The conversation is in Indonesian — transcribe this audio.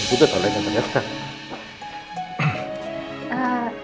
itu tolong yang ternyata